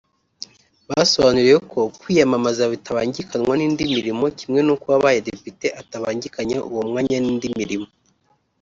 Basonuriwe ko kwiyamamaza bitabangikanywa n’indi mirimo kimwe n’uko uwabaye depite atabangikanya uwo mwanya n’indi mirimo